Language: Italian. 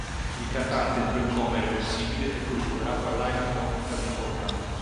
Il cantante entrò in coma irreversibile e fu ricoverato al Highland Hospital di Oakland.